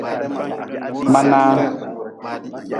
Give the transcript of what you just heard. Manaa.